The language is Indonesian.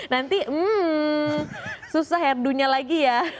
nanti hmm susah ya rdu nya lagi ya